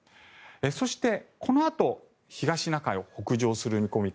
そして、このあと東シナ海を北上する見込み。